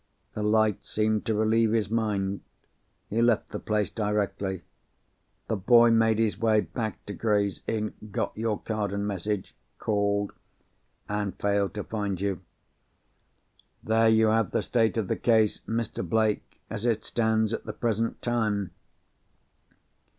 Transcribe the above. The light seemed to relieve his mind. He left the place directly. The boy made his way back to Gray's Inn—got your card and message—called—and failed to find you. There you have the state of the case, Mr. Blake, as it stands at the present time."